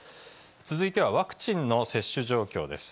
続いてはワクチンの接種状況です。